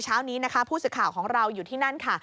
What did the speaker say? เช้านี้นะคะผู้สื่อข่าวของเราอยู่ที่นั่นค่ะ